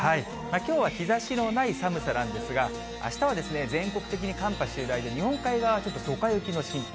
きょうは日ざしのない寒さなんですが、あしたは全国的に寒波襲来で、日本海側、ちょっとドカ雪の心配。